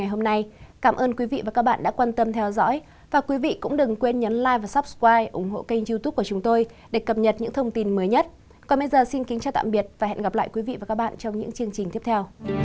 hãy đăng ký kênh để ủng hộ kênh của mình nhé